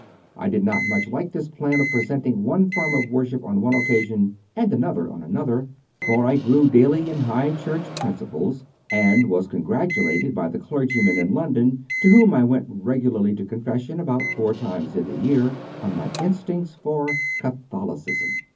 I did not much like this plan of presenting one form of worship on one occasion and another on another, for I grew daily in High Church principles and was congratu lated by the clergyman in London to whom I went regularly to Confession about four times in the year, on my instincts for "Catholicism."